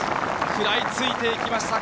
食らいついていきました。